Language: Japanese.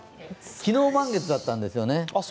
昨日、満月だったんですよね。